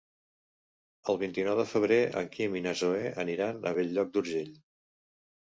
El vint-i-nou de febrer en Quim i na Zoè aniran a Bell-lloc d'Urgell.